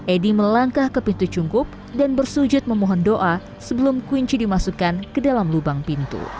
edi melangkah ke pintu cungkup dan bersujud memohon doa sebelum kunci dimasukkan ke dalam lubang pintu